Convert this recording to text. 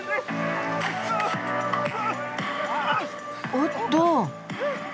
おっと。